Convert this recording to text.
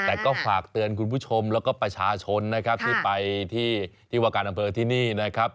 แต่ก็ฝากเตือนคุณผู้ชมแล้วก็ประชาชนนะครับที่ไปที่ที่วาการอำเภอที่นี่นะครับ